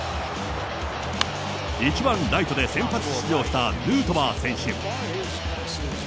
１番ライトで先発出場したヌートバー選手。